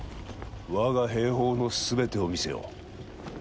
我が兵法の全てを見せよう。